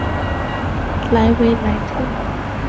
莱维莱特。